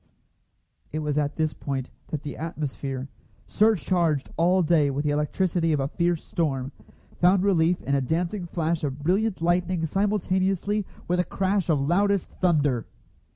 It was at this point that the atmosphere, surcharged all day with the electricity of a fierce storm, found relief in a dancing flash of brilliant lightning simultaneously with a crash of loudest thunder.